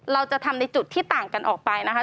เราจะทำในจุดที่ต่างกันออกไปนะคะ